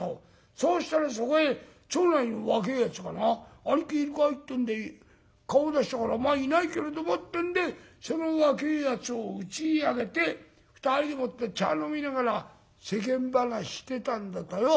そうしたらそこへ町内の若えやつがな『兄貴いるかい？』って言うんで顔出したから『まあいないけれども』ってんでその若えやつをうちへ上げて２人でもって茶飲みながら世間話してたんだとよ。